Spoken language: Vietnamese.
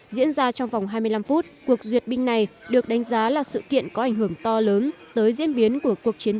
diễn ra trong vòng hai mươi năm phút cuộc duyệt binh này được đánh giá là sự kiện có ảnh hưởng to lớn tới diễn biến của cuộc chiến